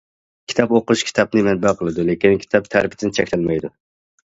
كىتاب ئوقۇش كىتابنى مەنبە قىلىدۇ، لېكىن كىتاب تەرىپىدىن چەكلەنمەيدۇ.